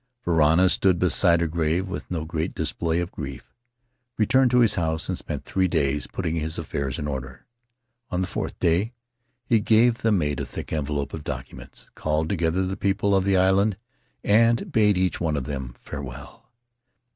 Varana stood beside her grave with no great display o£ grief, returned to his house and spent three days putting his affairs in order. On the fourth day he gave the mate a thick envelope of documents, called together the people of the island and bade each one of them farewell.